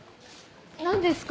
何ですか？